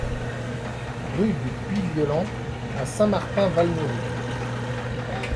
Rue du Puy Violent à Saint-Martin-Valmeroux